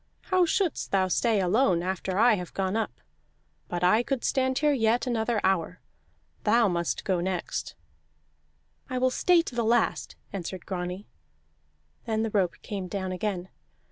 How shouldst thou stay alone after I have gone up? But I could stand here yet another hour. Thou must go next." "I will stay to the last," answered Grani. Then the rope came down again.